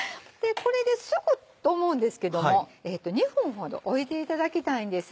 「これですぐ」と思うんですけども２分ほどおいていただきたいんです。